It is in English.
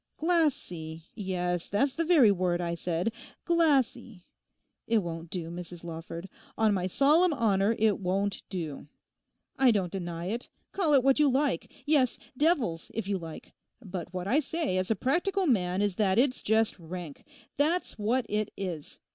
Glassy—yes, that's the very word I said—glassy. It won't do, Mrs Lawford; on my solemn honour, it won't do. I don't deny it, call it what you like; yes, devils, if you like. But what I say as a practical man is that it's just rank—that's what it is!